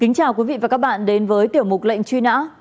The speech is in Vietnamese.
xin chào quý vị và các bạn đến với tiểu mục lệnh truy nã